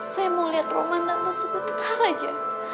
saya mau liat roman tante sebentar aja